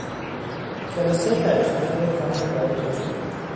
جلسه در اختفای کامل برگزار شد.